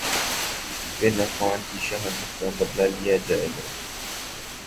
بن عفان کی شہادت کا بدلہ لیا جائے گا مسجد